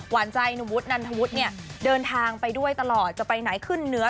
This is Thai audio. หวานใจหนุ่มวุฒนันทวุฒิเนี่ยเดินทางไปด้วยตลอดจะไปไหนขึ้นเนื้อ